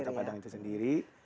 tengah kota padang itu sendiri